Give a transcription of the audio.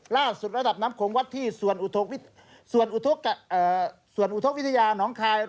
ระดับน้ำโขงวัดที่ส่วนอุทธกวิทยาน้องคาย